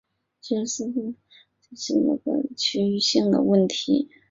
吉尔吉斯斯坦地震观测和研究中心还积极寻求解决各类区域性问题。